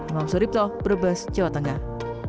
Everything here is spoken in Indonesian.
imam suripto brebas jawa tengah